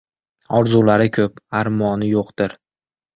Orzulari ko‘p, armoni yo‘qdir